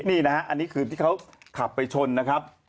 นี่นะฮะอันนี้คือที่เขาขับไปชนนะครับ